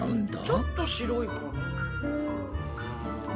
ちょっと白いかな。